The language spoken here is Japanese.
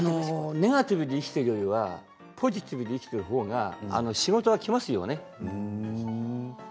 ネガティブに生きているよりもポジティブに生きている方が仕事はきますよね。